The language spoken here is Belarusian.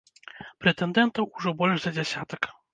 Прэтэндэнтаў ужо больш за дзясятак.